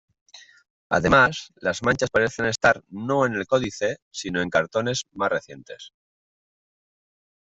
Además, las manchas parecen estar no en el códice sino en cartones más recientes.